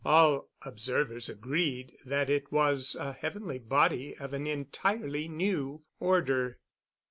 All observers agreed that it was a heavenly body of an entirely new order.